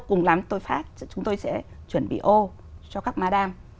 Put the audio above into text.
cùng làm tôi phát chúng tôi sẽ chuẩn bị ô cho các ma đam